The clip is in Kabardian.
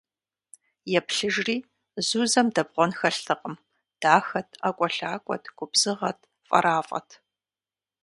Еплъыжри - Зузэм дэбгъуэн хэлътэкъым: дахэт, ӏэкӏуэлъакӏуэт, губзыгъэт, фӏэрафӏэт!